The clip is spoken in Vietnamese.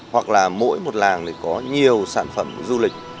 hoặc là mỗi một làng thì có nhiều sản phẩm du lịch